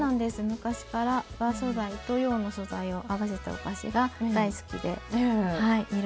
昔から和素材と洋の素材を合わせたお菓子が大好きではい